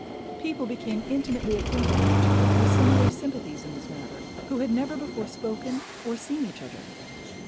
People became intimately acquainted with each other through similar sympathies in this matter, who had never before spoken to or seen each other.